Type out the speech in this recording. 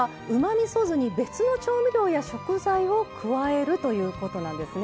みそ酢に別の調味料や食材を加えるということなんですね。